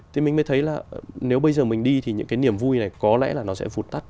thế mình mới thấy là nếu bây giờ mình đi thì những cái niềm vui này có lẽ là nó sẽ vụt tắt